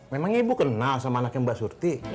memang ibu kenal sama anaknya mbak surti